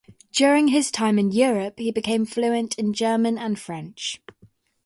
During his time in Europe he became fluent in German and French.